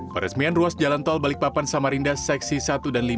peresmian ruas jalan tol balikpapan samarinda seksi satu dan lima